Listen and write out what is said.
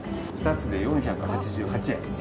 ２つで４８８円。